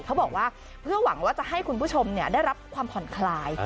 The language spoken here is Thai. เขาบอกว่าเพื่อหวังว่าจะให้คุณผู้ชมได้รับความผ่อนคลาย